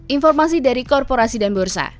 informasi dari korporasi dan bursa